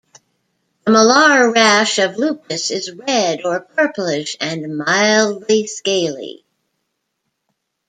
The malar rash of lupus is red or purplish and mildly scaly.